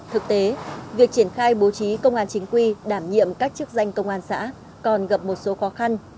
thực tế việc triển khai bố trí công an chính quy đảm nhiệm các chức danh công an xã còn gặp một số khó khăn